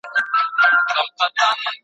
نه محتاج یو د انسان نه غلامان یو ,